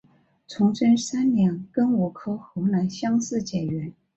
崇祯三年庚午科河南乡试解元。